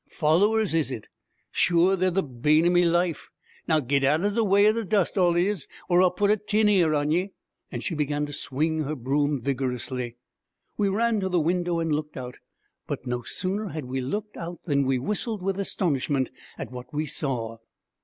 Followers, is it? Sure, they're the bane o' me life! Now git out o' the way o' the dust, all of yez, or I'll put a tin ear on ye!' And she began to swing her broom vigorously. We ran to the window and looked out; but no sooner had we looked out than we whistled with astonishment at what we saw.